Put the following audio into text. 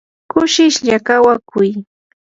kushishlla kawakuy.